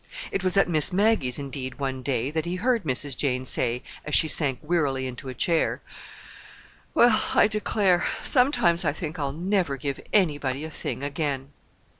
It was at Miss Maggie's, indeed, one day, that he heard Mrs. Jane say, as she sank wearily into a chair:— "Well, I declare! Sometimes I think I'll never give anybody a thing again!"